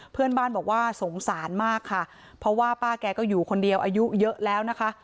เพื่อนบ้านบอกว่าสงสารมากค่ะเพราะว่าป้าแกก็อยู่คนเดียวอายุเยอะแล้วนะคะ